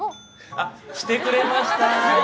あ、してくれました。